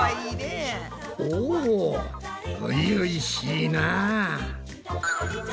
お初々しいなぁ。